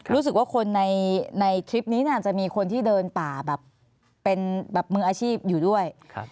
รู้สึกว่าคนในคลิปนี้น่าจะมีคนที่เดินป่าแบบเป็นแบบมืออาชีพอยู่ด้วย